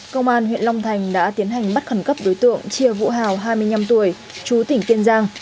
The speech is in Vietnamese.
công an huyện long thành đã tiến hành bắt khẩn cấp đối tượng chia vũ hào hai mươi năm tuổi chú tỉnh kiên giang